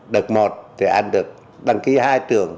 đợt một thì anh được đăng ký hai trường